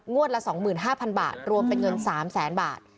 งวดละ๒๕๐๐๐บาทรวมเป็นเงิน๓๐๐๐๐๐บาท